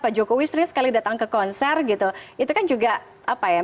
soalnya kan dengan hal hal simpel artinya gini